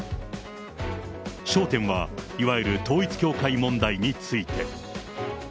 焦点はいわゆる統一教会問題について。